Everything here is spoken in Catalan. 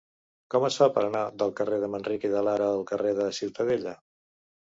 Com es fa per anar del carrer de Manrique de Lara al carrer de Ciutadella?